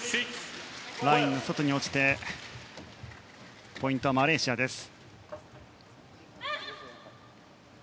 ラインの外に落ちてポイントはマレーシアです。